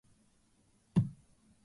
The disease eventually killed him.